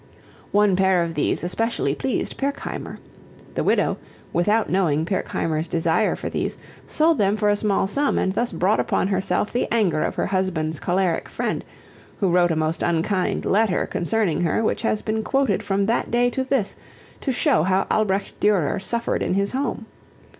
One pair of these especially pleased Pirkheimer. The widow, without knowing Pirkheimer's desire for these, sold them for a small sum and thus brought upon herself the anger of her husband's choleric friend, who wrote a most unkind letter concerning her which has been quoted from that day to this to show how Albrecht Durer suffered in his home.